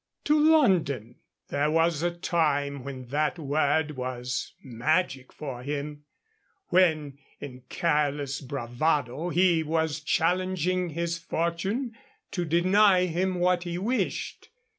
To London! There was a time when that word was magic for him when, in careless bravado, he was challenging his fortune to deny him what he wished.